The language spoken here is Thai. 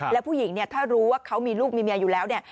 แล้วผู้หญิงเนี่ยถ้ารู้ว่าเขามีลูกมีเมียอยู่แล้วเนี่ย